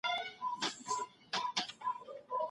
په هر حالت کي مثبت فکر کول د انسان د بریا کلید دی.